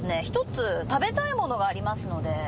ひとつ食べたいものがありますので。